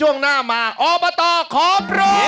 เฮ่น้องช้างแต่ละเชือกเนี่ย